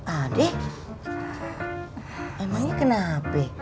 ade emangnya kenapa